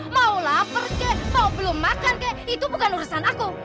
maulah pergi kek mau belum makan kek itu bukan urusan aku